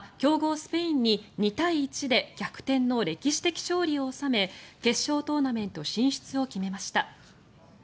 スペインに２対１で逆転の歴史的勝利を収め決勝トーナメント進出を決めました。